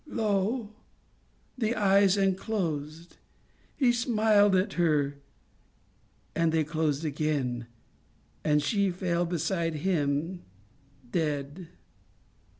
Lo ! the eyes unclosed, he smiled at her, and they closed again, and she fell beside him dead